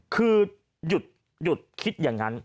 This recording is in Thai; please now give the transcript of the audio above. คือหยุดคิดอย่างนั้น